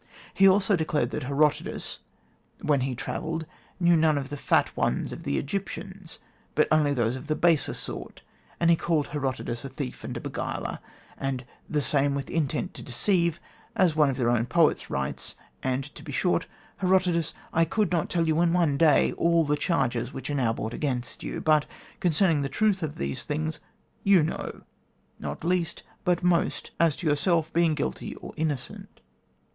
He also declared that Herodotus, when he travelled, knew none of the Fat Ones of the Egyptians, but only those of the baser sort. And he called Herodotus a thief and a beguiler, and 'the same with intent to deceive,' as one of their own poets writes, and, to be short, Herodotus, I could not tell you in one day all the charges which are now brought against you; but concerning the truth of these things, you know, not least, but most, as to yourself being guilty or innocent.